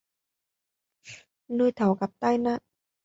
nơi thảo gặp tai nạn